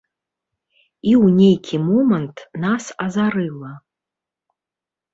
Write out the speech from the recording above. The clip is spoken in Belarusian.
І ў нейкі момант нас азарыла.